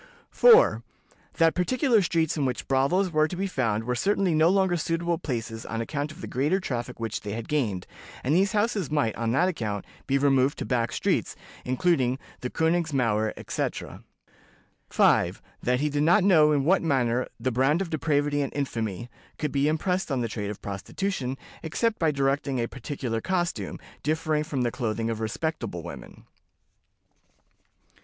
"4. That particular streets in which brothels were to be found were certainly no longer suitable places on account of the greater traffic which they had gained, and these houses might, on that account, be removed to back streets, including the Königsmauer, etc." "5. That he did not know in what manner 'the brand of depravity and infamy' could be impressed on the trade of prostitution, except by directing a particular costume, differing from the clothing of respectable women."